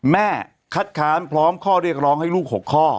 แม่คัดค้านพร้อมข้อเรียกร้องให้ลูก๖ข้อ